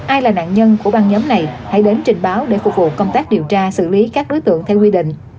ai là nạn nhân của băng nhóm này hãy đến trình báo để phục vụ công tác điều tra xử lý các đối tượng theo quy định